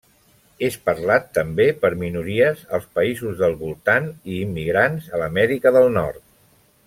És parlat també per minories als països del voltant i immigrants a l'Amèrica del Nord.